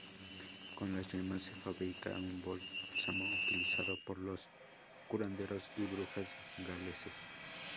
Con las yemas se fabrica un bálsamo utilizado por los curanderos y brujas galeses.